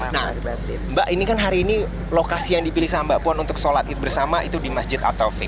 nah mbak ini kan hari ini lokasi yang dipilih sama mbak puan untuk sholat id bersama itu di masjid at taufik